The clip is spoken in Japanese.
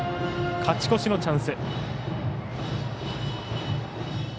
勝ち越しのチャンス。